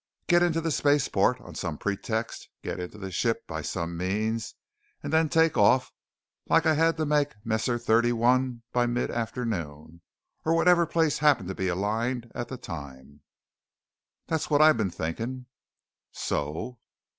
"Get into the spaceport on some pretext, get into the ship by some means, and then take off like I had to make Messier 31 by mid afternoon or whatever place happened to be aligned at the time." "That's what I've been thinking." "So